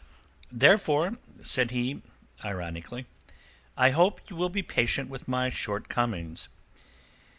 "Therefore," said he ironically, "I hope you will be patient with my shortcomings.